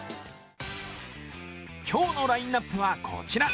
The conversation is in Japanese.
今日のラインナップはこちら。